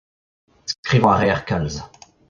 skrivañ a reer kalz